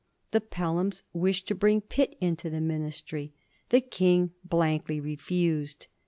The Pel hams wished to bring Pitt into the Ministry ; the King blankly refused.